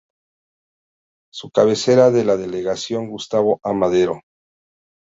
Su cabecera es la Delegación Gustavo A. Madero.